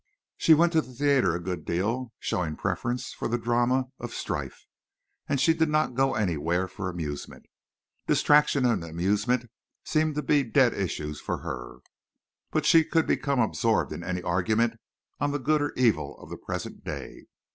She went to the theater a good deal, showing preference for the drama of strife, and she did not go anywhere for amusement. Distraction and amusement seemed to be dead issues for her. But she could become absorbed in any argument on the good or evil of the present day.